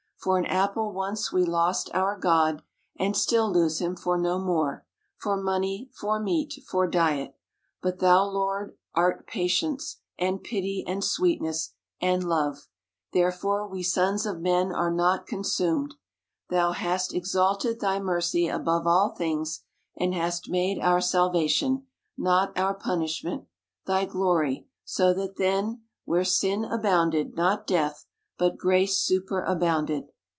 For an apple once we lost our God, and still lose him for no more ; for money, for meat, for diet. But thou. Lord, art patience, and pity, and sweetness, and love ; therefore we sons of men are not consumed. Thou hast exalted thy mercy above all things, and hast made our salvation, not our punishment, thy glory ; so that then, where sin abounded, not death, but grace super abounded.